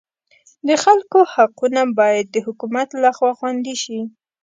د خلکو حقونه باید د حکومت لخوا خوندي شي.